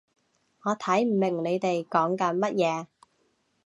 我睇唔明你哋講緊乜嘢